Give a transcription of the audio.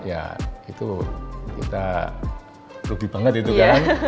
ya itu kita rugi banget itu kan